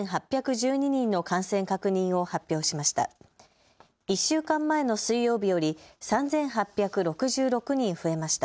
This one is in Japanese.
１週間前の水曜日より３８６６人増えました。